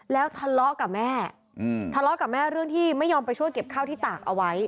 แล้วทะเลาะกับแม่ทะเลาะกับแม่เรื่องที่ไม่ยอมไปช่วยเก็บข้าวที่ตากเอาไว้